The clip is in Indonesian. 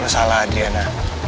lo salah adriana